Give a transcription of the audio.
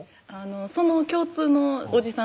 その共通のおじさん